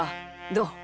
どう？